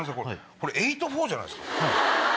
これ８×４じゃないですか。